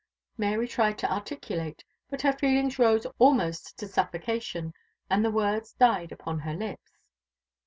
Mary tried to articulate, but her feelings rose almost to suffocation, and the words died upon her lips.